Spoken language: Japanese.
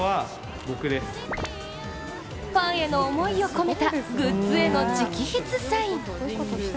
ファンへの思いを込めたグッズへの直筆サイン。